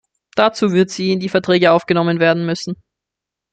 Dazu wird sie in die Verträge aufgenommen werden müssen.